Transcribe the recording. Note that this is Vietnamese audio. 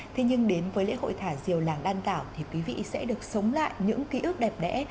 thế nhưng đến với lễ hội thả diều làng đan tảo thì quý vị sẽ được sống lại những ký ức đẹp đẽ